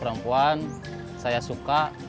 perempuan saya suka